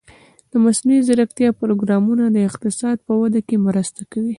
د مصنوعي ځیرکتیا پروګرامونه د اقتصاد په وده کې مرسته کوي.